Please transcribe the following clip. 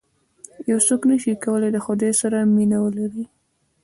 یو څوک نه شي کولای د خدای سره مینه ولري.